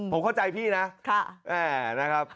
ผมเข้าใจพี่นะนะครับ